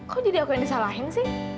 kok jadi aku yang disalahin sih